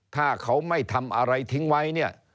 ถ้าเขาไม่ทำอะไรทิ้งไว้เนี่ย